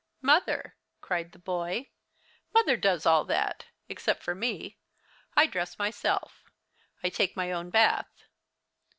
"Mother," cried the boy. "Mother does all that except for me. I dress myself I take my own bath.